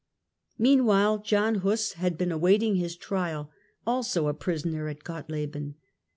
Meanwhile John Huss had been awaiting his trial, also a prisoner at Gotleben.